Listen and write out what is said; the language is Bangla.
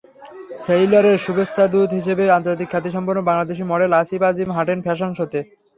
সেইলরের শুভেচ্ছাদূত হিসেবে আন্তর্জাতিক খ্যাতিসম্পন্ন বাংলাদেশি মডেল আসিফ আজিম হাঁটেন ফ্যাশন শোতে।